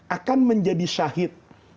akan menjadi syahid